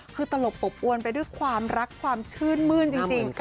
คือตลบอบอวนไปด้วยความรักความชื่นมื้นจริง